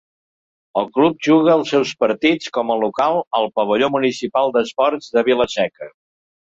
El club juga els seus partits com a local al Pavelló Municipal d'Esports de Vila-seca.